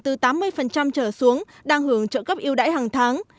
từ tám mươi trở xuống đang hưởng trợ cấp yêu đáy hàng tháng